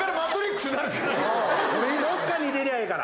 どっかに入れりゃええから。